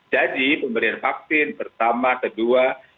jadi pemberian vaksin pertama kedua kemudian ada booster